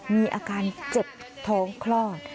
มีอาการเจ็บท้องคลอด